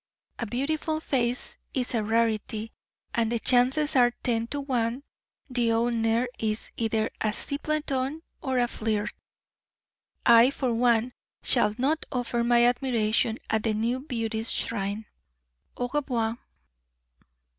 A beautiful face is a rarity, and the chances are ten to one the owner is either a simpleton or a flirt. I, for one, shall not offer my admiration at the new beauty's shrine. _Au revoir.